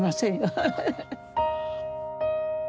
ハハハッ。